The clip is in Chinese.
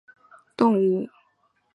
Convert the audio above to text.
长触潮蛛为盗蛛科潮蛛属的动物。